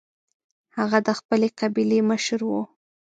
هغه د خپلې قبیلې مشر و.